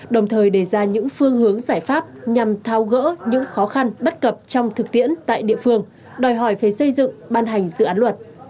đồng thời đề ra những phương hướng giải pháp nhằm thao gỡ những khó khăn bất cập trong thực tiễn tại địa phương đòi hỏi phải xây dựng ban hành dự án luật